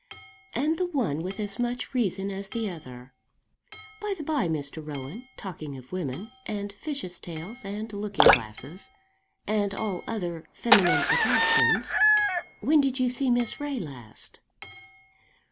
"And the one with as much reason as the other. By the by, Mr. Rowan, talking of women, and fishes' tails, and looking glasses, and all other feminine attractions, when did you see Miss Ray last?"